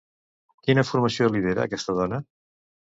Quina formació lidera aquesta dona?